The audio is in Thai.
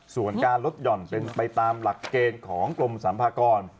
ส่วนการลดหย่อนเป็นไปตามหลักเกณฑ์ของกรมสรรพากร